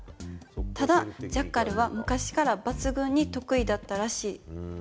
ただ、ジャッカルは昔から抜群に得意だったらしい。